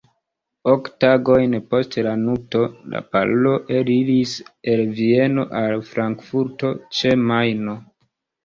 Ok tagojn post la nupto, la paro eliris el Vieno al Frankfurto ĉe Majno.